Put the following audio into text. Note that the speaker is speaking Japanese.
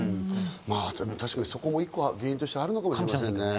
確かにそこも一個、原因としてあるかもしれませんね。